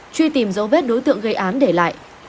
truy tìm dấu vết đối tượng gây án để lại